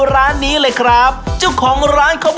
มาได้ปัน๑ปีค่ะ